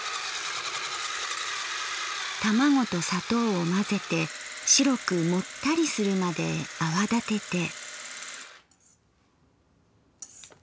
卵と砂糖を混ぜて白くもったりするまで泡立てて。